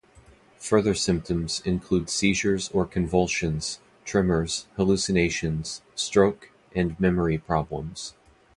Further symptoms include seizures or convulsions, tremors, hallucinations, stroke, and memory problems.